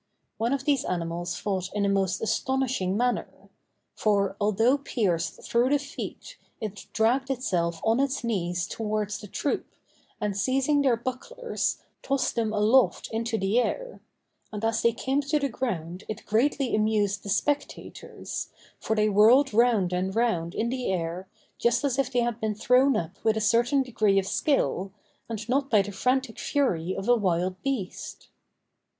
One of these animals fought in a most astonishing manner; for, although pierced through the feet, it dragged itself on its knees towards the troop, and seizing their bucklers, tossed them aloft into the air: and as they came to the ground it greatly amused the spectators, for they whirled round and round in the air, just as if they had been thrown up with a certain degree of skill, and not by the frantic fury of a wild beast.